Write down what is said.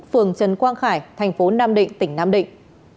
phường trần quang khải tp nam định tỉnh nam định